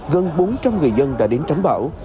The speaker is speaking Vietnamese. gần bốn trăm linh người dân đã đến tránh bão